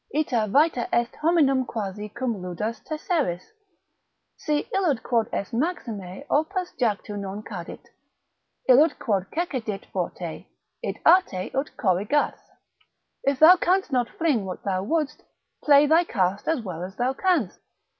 Ita vita est hominum quasi cum ludas tesseris, Si illud quod est maxime opus jactu non cadit, Illud quod cecidit forte, id arte ut corrigas; If thou canst not fling what thou wouldst, play thy cast as well as thou canst.